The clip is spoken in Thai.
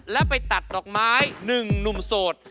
แล้วไปตัดดอกไม้๑หนุ่มโสด